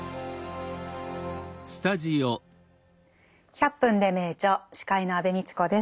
「１００分ｄｅ名著」司会の安部みちこです。